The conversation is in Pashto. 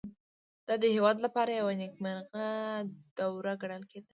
دا د دې هېواد لپاره یوه نېکمرغه دوره ګڼل کېده.